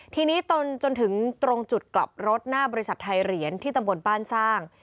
ทีนี้จนถึงตรงจุดกลับรถหน้าบริษัทไทยเหรียญที่ตำบลบ้านสร้าง